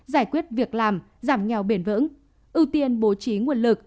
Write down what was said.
giải quyết việc làm giảm nghèo bền vững ưu tiên bố trí nguồn lực